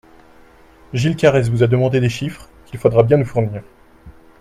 Gilles Carrez vous a demandé des chiffres, qu’il faudra bien nous fournir.